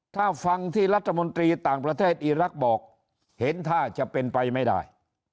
ถ้าฟังที่รัฐมนตรีต่างประเทศอีรักษ์บอกเห็นท่าจะเป็นไปไม่ได้